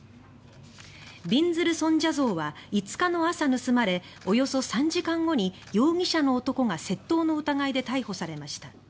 びんずる尊者像は５日の朝盗まれおよそ３時間後に容疑者の男が窃盗の疑いで逮捕されました。